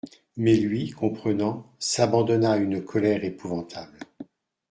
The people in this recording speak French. Mais lui, comprenant, s'abandonna à une colère épouvantable.